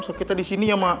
sakitnya di sini ya emak